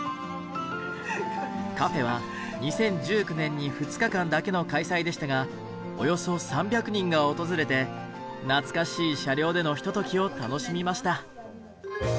カフェは２０１９年に２日間だけの開催でしたがおよそ３００人が訪れて懐かしい車両でのひとときを楽しみました。